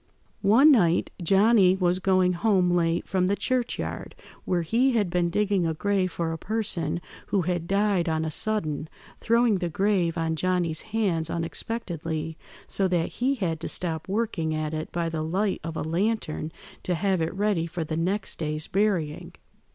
"One night Johnny was going home late from the churchyard, where he had been digging a grave for a person who had died on a sudden, throwing the grave on Johnny's hands unexpectedly, so that he had to stop working at it by the light of a lantern to have it ready for the next day's burying.